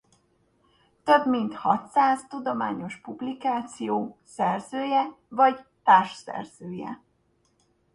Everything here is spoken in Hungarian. Több mint hatszáz tudományos publikáció szerzője vagy társszerzője.